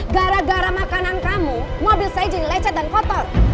gara gara makanan kamu mobil saya jadi lecet dan kotor